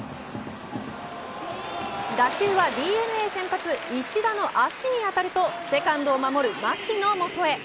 打球はＤｅＮＡ先発石田の足に当たるとセカンドを守る牧の元へ。